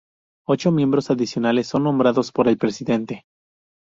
Ocho miembros adicionales son nombrados por el Presidente.